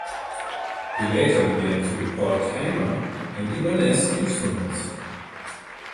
He later began to import Tama and Ibanez instruments.